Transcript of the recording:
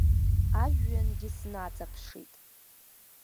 Ажәҩангьы снаҵаԥшит.